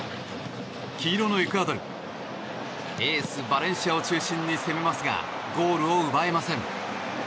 黄色のエクアドルエース、バレンシアを中心に攻めますがゴールを奪えません。